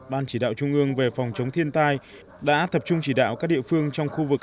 ban chỉ đạo trung ương về phòng chống thiên tai đã thập trung chỉ đạo các địa phương trong khu vực